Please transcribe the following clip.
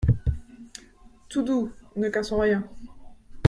Tout doux ! ne cassons rien…